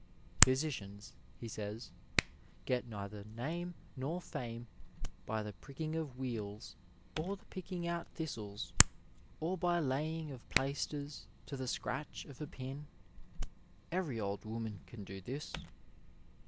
" Physicians," he says, '' get neither name nor fame by the pricking of wheals or the picking out thistles, or by laying of plaisters to the scratch of a pin ; every old woman can do this.